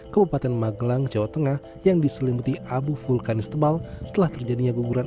kabupaten magelang jawa tengah yang diselimuti abu vulkanis tebal setelah terjadinya guguran